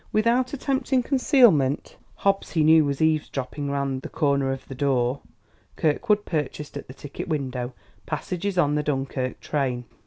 Without attempting concealment (Hobbs, he knew, was eavesdropping round the corner of the door) Kirkwood purchased at the ticket window passages on the Dunkerque train.